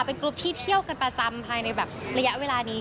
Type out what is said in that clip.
เป็นกรุ๊ปที่เที่ยวกันประจำภายในแบบระยะเวลานี้